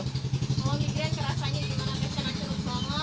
kalau migraine kerasanya di bagian mana